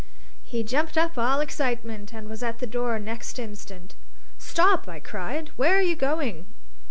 He jumped up all excitement, and was at the door next instant. "Stop!" I cried. "Where are you going?"